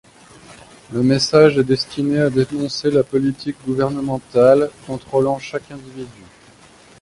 Le message est destiné à dénoncer la politique gouvernementale, contrôlant chaque individu.